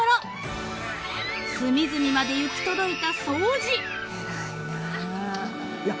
［隅々まで行き届いた掃除］